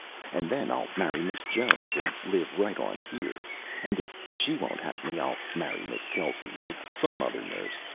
And then I'll marry Miss Jones and live right on here. And if she won't have me, I'll marry Miss Kelsey or some other nurse.